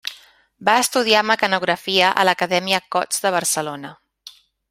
Va estudiar mecanografia a l'Acadèmia Cots de Barcelona.